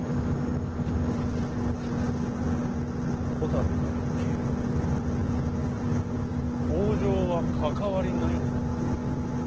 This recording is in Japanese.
こたびの一件北条は関わりないのだな。